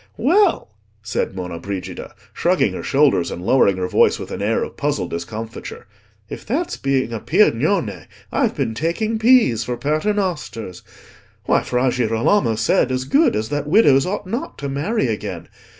"Well," said Monna Brigida, shrugging her shoulders and lowering her voice with an air of puzzled discomfiture, "if that's being a Piagnone, I've been taking peas for paternosters. Why, Fra Girolamo said as good as that widows ought not to marry again.